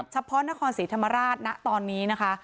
เฉพาะนครศรีธรรมราชณตอนนี้นะคะ